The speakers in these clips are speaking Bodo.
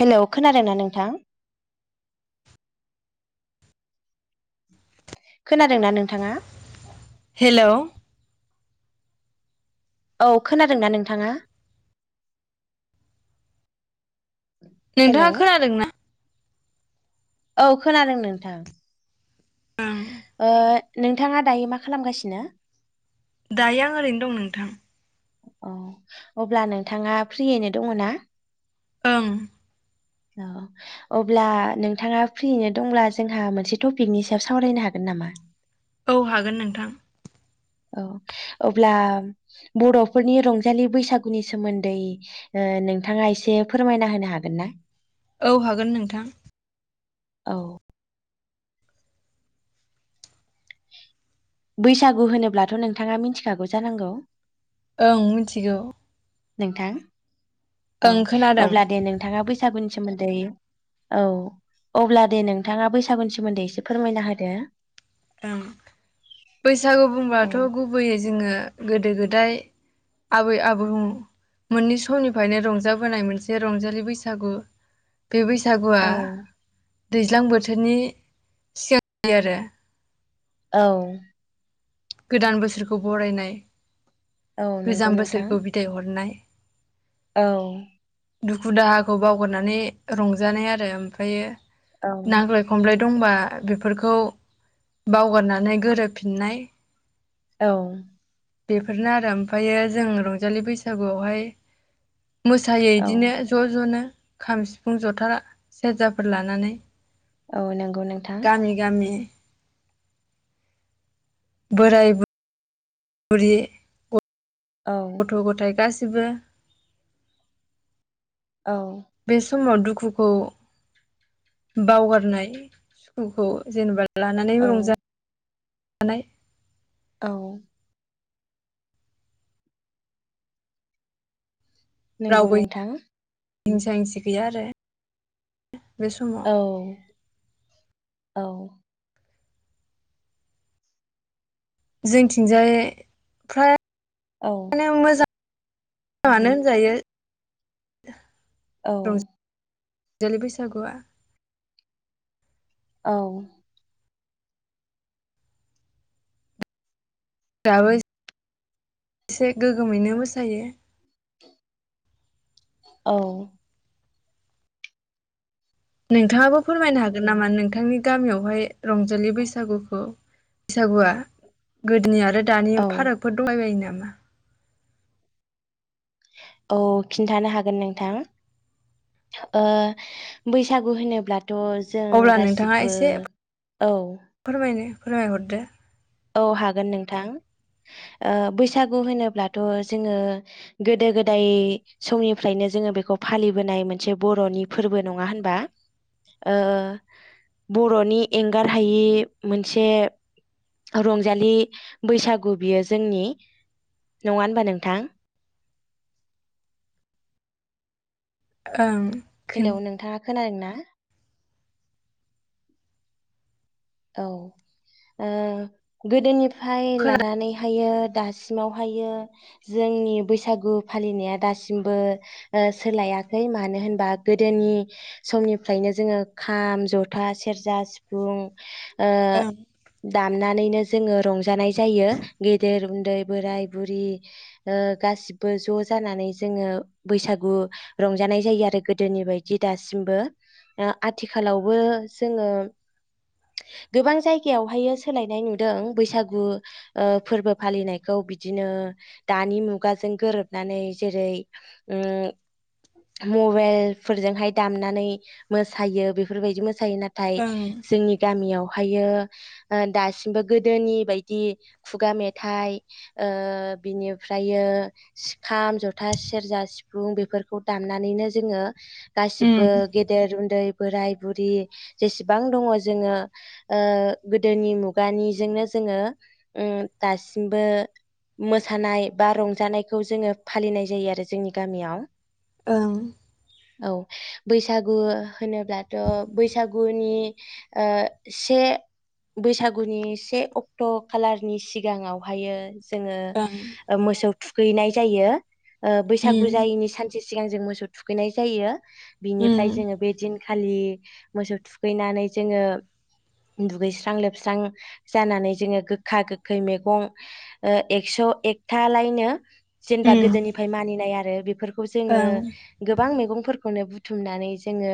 हेल खोनादोंना नोंथां? खोनादोंना नोंथाङा? हेल। औ खोनादोंना नोंथाङा? हेलौ नोंथाङा खोनादोंना? औ खोनादों नोंथां। ओं ओ नोंथाङा दायो मा खालामगासिनो? दायो आं ओरैनो दं नोंथां। औ अब्ला नोंथाङा फ्रियैनो दङ ना? ओं। औ अब्ला नोंथाङा फ्रिनो दंब्ला जोंहा मोनसे टपिकनि सायाव सावरायनो हागोन नामा? औ हागोन नोंथां। औ अब्ला बर'फोरनि रंजालि बैसागुनि सोमोन्दै नोंथाङा एसे फोरमायना होनो हागोन ना? औ हागोन नोंथां। औ। बैसागु होनोब्लाथ नोंथाङा मिथिखागौ जानांगौ। ओं मिथिगौ। नोंथां। औ ओं खोनादों अब्ला दे नोंथाङा बैसागुनि सोमोन्दै औ अब्ला दे नोंथाङा बैसागुनि सोमोन्दै एसे फोरमायना होदो। ओ बैसागु औ बुंब्लाथ गुबैयै जोङो गोदो गोदाय आबै आबौ मोननै समनिफ्रायनो रंजाबोनाय मोनसे रंजालि बैसागु। बे बैसागुआ औ दैज्लां बोथोरनि सिगां जायो आरो। औ। गोदान बोसोरखौ बरायनाय औ नंगौ गोजाम नोंथां बोसोरखौ बिदाय हरनाय। औ। दुखु दाहाखौ बावगारनानै रंजानाय आरो ओमफायो औ नांलाय खमलाय दंबा बेफोरखौ बावगारनानै गोरोबफिननाय। औ। बेफोरनो आरो ओमफायो जों रंजालि बैसागुआवहाय मोसायो औ इदिनो ज' ज'नो। खाम सिफुं जथाा सेरजाफोर लानानै। औ नोंगौ नोंथा। गामि गामि बोराय बु बुरि ग औ गथ' गथाय गासै बो औ। समाव दुखुखौ बावगारनाय सुखुखौ जेनेबा लानानै औ रंजा हानाय औ। नोंगौ नोंथां। हिंसा-हिंसि गैया आरो। बे समाव औ। औ। जोंनिथिंजाय फ्रा औ। मानो होनजायो। औ। देलि बैसागुआ। औ। दाबो एसे गोग्गोमैनो मोसायो। औ। नोंथाङाबो फोरमायनो हागोन नामा नोंथांनि गामियावहाय रंजालि बैसागुखौ बैसागुआ गोदोनि आरो दानि औ फारागफोर दंबाय बायो नामा? औ खिन्थानो हागोन नोंथां ओ बैसागु होनोब्ला थ' जों अब्ला नोंथाङा गासिबो एसे औ। फोरमायनो फोरमायहरदो। औ हागोन नोंथां ओ बैसागु होनोब्लाथ' जोङो गोदो-गोदाय समनिफ्रायनो जोङो बेखौ फालिबोनाय मोनसे बर'नि फोरबो नङा होनबा ओ बर'नि एंगार हायि मोनसे रंजालि बैसागु बियो जोंनि नङा होनबा नोंथां? ओं। हेलौ नोंथाङा खोनादों ना? हो। औ ओ गोदोनिफ फाय खोनादों लानानैहायो दासिमावहायो जोंनि बैसागु फालिनाया दासिमबो ओ सोलायाखै मानो होनबा गोदोनि समनिफ्रायनो जोङो खाम, जथा, सेरजा, सिफुं ओ ओं। दामनानैनो जोङो रंजानाय जायो गेदेर उन्दै बोराइ बुरि ओ गासिबो ज' जानानै जोङो बैसागु रंजानाय जायो आरो गोदोनि बायदि दासिमबो ओ आथिखालावबो जोङो गोबां जायगायावहायो सोलायनाय नुदों बैसागु ओ फोरबो फालिनायखौ बिदिनो दानि मुगाजों गोरोबनानै जेरै ओ मबाइल फोरजोंहाय दामनानै मोसायो बेफोरबायदि मो जायो नाथाय ओं जोंनि मियावहायो ओ दासिमबो गोदोनि बायदि खुगा मेथाइ ओ बिनिफ्रायो‌ खाम, जथा, सेरजा, सिफुं बेफोरखौ दामनानैनो जोङो गासिबो उम गेदेर उन्दै बोराय बुरि जेसेबां दङ। जोङो ओ गोदोनि मुगानिजोंनो जोङो उ दासिमबो मोसानाय बा रंजानायखौ जोङो फालिनाय जायो आरो जोंनि गामियाव। ओं। औ बैसागु होनोब्लाथ' बैसागुनि ओ से बैसागुनि से अक्ट' खालारनि सिगाङावहायो। जोङो ओं ओ मोसौ थुखैनाय जायो। ओ बैसागु उम जायैनि सानसे स सिगां जों मोसौ थुखैनाय जायो उम बिनिफ्राय जोङो बे दिन खालि मोसौ थुखैनानै जोङो दुगैस्रां लोबस्रां जानानै जोङो गोखा गोखै मैगं एक्स' एकथालायनो जेनेबा उम गोदोनिफ्राय मानिनाय आरो बेफोर जोङो ओं गोबां मे मैगफोरखौनो बुथुमनानै जोङो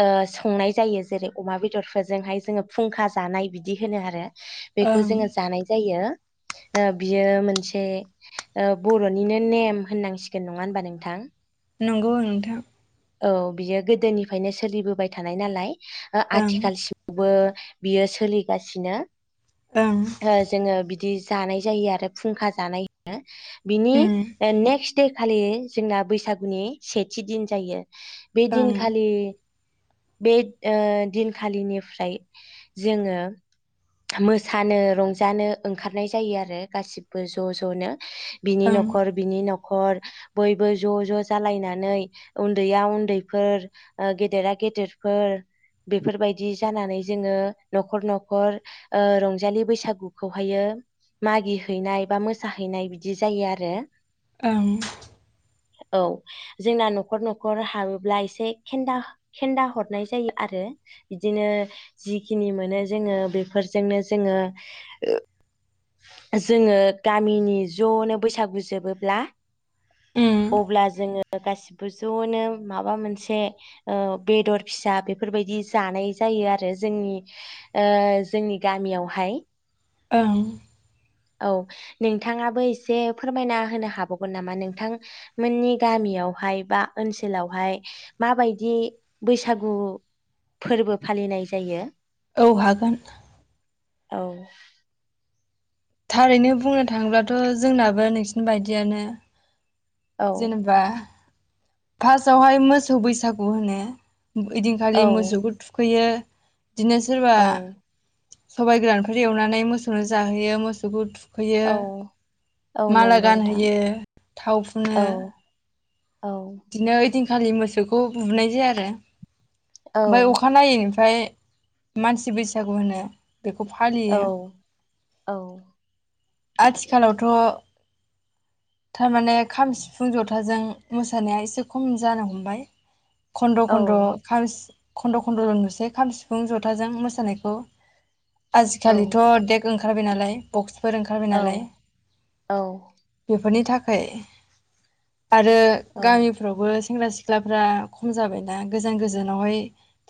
ओ संनाय जायो जेरै अमा बेदरफोरजोंहाय जोङो फुंखा जानाय बिदि होनो आरो बेखौ ओं जोङो जानाय जायो ओ बियो मोनसे ओ बर'निनो नेम होननांसिगोन नङा होनबा नोंथां? नंगौ ओं नोंथां औ बियो गोदोनिफायनो सोलिबोबाय थानाय नालाय ओ ओं आथिखालसिमबो बियो सोलिगासिनो ओं ओ जोङो बि दि जानाय जायो आरो फुंखा जानाय बिनि उम ओ नेक्स्ट देखालि जोंना बैसागुनि सेथि दिन जायो ओं बेदिन खालि बे ओ दिनखालिनिफ्राय जोङो मो सानो रंजानो ओंखारनाय जायो आरो गासिबो ज' ज'नो बिनि ओं न'खर बिनि न'ख खर बयबो ज' ज' जालनानै उनदैया उनदैफोर ओ गेदेरा गेदेरफोर बेफोरबायदि जानानै जोङो न'खर न'खर ओ रं जालि बैसागुखौहायो मागि हैैनाय बा मोसाहैनाय बिदि जायो आरो ओं औ जोंना न'खर न'खर हाबोब्ला एसे खेन्दा खेन्दा हरनाय जायो आरो बिदिनो जिखिनि मोनो जोङो बेफोरजोंनो जोङो जोङो गामिनि ज'नो बैसागु जोबोब्ला उम अब्ला जोङो गासिबो ज'नो माबा मोनसे बेदर फिसा बेफोरबायदि जानाय जायो आरो जोंनि आ जोंनि गामियावहाय ओं औ नोंथाङाबो एसे फोरमायना होनो हाबावगोन नामा नोंथांमोननि गामियावहाय बा ओनसोलावहाय माबायदि बैसागु फोर्बो फालिनाय जायो औ हागोन औ थारैनो बुंनो थाङोब्लाथ' जोंनाबो नोंसिनि बायदियानो औ जेनेबा फासावहाय मोसौ बैसागु होनो ओइदिनखालि औ मोसौखौ थुखैयो बिदिनो सोरबा औ सबाय गोरानफोर एवनानै मोसौनो जाहोयो मोसौखौ थु खैयो औ औ माला नंगौ नोंथां गानहोयो थाव औ औ खालि मोसौखौ बुनाय जाया आरो बाय औ अखानायै फ्राय मानसि बैसागु होनो। बेखौ औ फालियो औ आथिखालावथ' थारमाने खाम, सिफुं, जथाजों मोस सानाया एसे खम जानो हमबाय। खन्द औ खन्द खाम सि खन्द' खन्द' जों नुसै खाम सिफुं जथाजों मोसानायखौ। औ आजिखालिथ' देग ओं खारबाय नालाय बक्स फोर ओंखारबाय औ नालाय औ बेफोरनि थाख खाय आरो औ गामिफ्रावबो सेंग्रा सिख्लाफ्रा खम जाबायना गोजान गोजानावहाय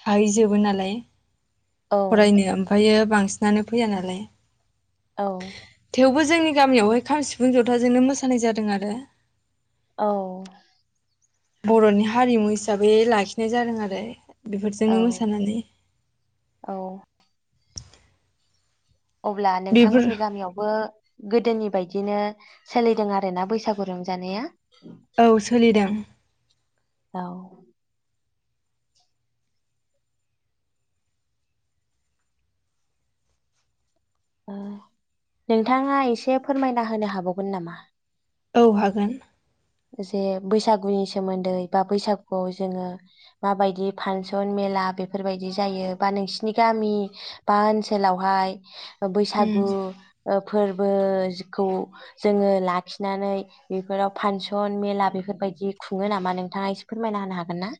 थाहैजोबो नालाय। औ फरायनो ओमफ्रायो बांसिनानो फैया नालाय। औ थेवबो जोंनि गामियावहाय खाम सिफुं जथाजोंनो मोसानाय जादों आरो औ बर'नि हारिमु हिसाबै लाखिनाय जादों आरो बेफोरजोंनो मोसानानै। औ अब्ला बेफोर नोंथांमोननि गामियावबो गोदोनि बायदिनो सोलिदों आरोना बैसागु रंजानाया। औ सोलिदों औ अ नोंथाङा एसे फोरमायना होनो हाबावगोन नामा? औ हागोन। जे बैसागुनि सोमोन्दै बा बैसागुआव जोङो माबायदि फांसन मेला बेफोरबायदि जायो बा नोंसिनि गामि बा ओनसोलावहाय उम बैसागु ओ फोरबोखौ जोंङो लाखिनानै बेफोराव फानस [unintelligible] मेला बेफोरबायदि खुङो नामा नोंथाङा एसे फोरमायना होनो हागोन ना?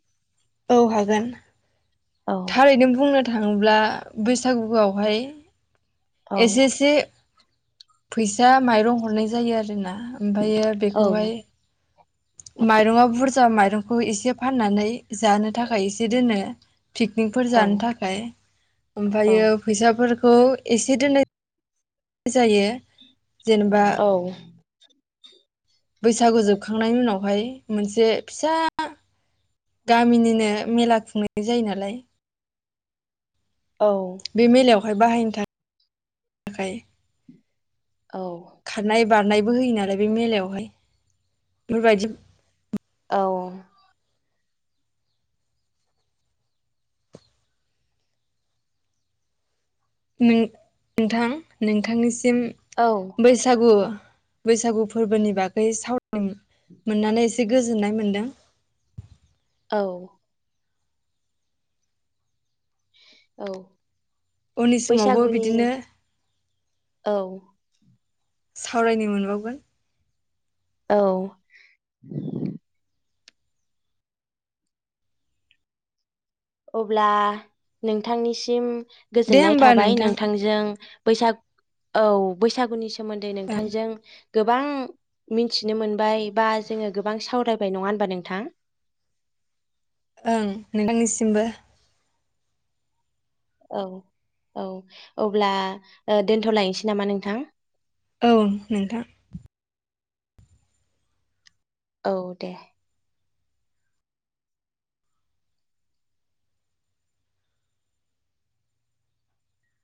औ हागोन। औ थारैनो बुंनो थां ङोब्ला बैसागुआवहाय औ एसेसे फैसा माइरं हरनाय जायो आरोना। ओमफ्रायो औ बेखौहाय माइरंआ बुर जा माइरंखौ एसे फाननानै जानो थाखाय एसे दोनो पिकनिकफोर औ जानो थाखाय औ ओमफ्रायो फैसाफोर खौ एसे दोननाय जायो जेनेबा औ। [inaudible] बैसागु जोबखांनायनि उनावहाय मोनसे फिसा गामिनिनो मेला खुंनाय जायो नालाय। औ। [unintelligible] बाहायनो थाखाय औ। खारनाय बारनायबो होयो नालाय बे मेलायावहाय बेफोरबायदि औ। नों थां। नोंथांनिसिम बैसागु बैसागु फोरबोनि बागै सावरायनो मोननानै एसे गोजोननाय मोनदों। औ। औ। उननि समावबो बैसागुनि बिदिनो औ। सावरायनो मोनबावगोन। औ। अब्ला नोंथांनिसिम दे गोजोननाय होमबा थाबाय नोंथां नोंथांजों बैसागु औ बैसागुनि सोमोन्दै ओं नोंथांजों गोबां मिथिनो मोनबाय बा जोङो गोबां सावरायबाय नङा होनबा नोंथां? ओं नोंथांनिसिमबो। औ औ अब्ला दोनथ'लायनोसै नामा नोंथां? औ नोंथां। औ दे।